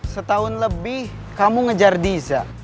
setahun lebih kamu ngejar diza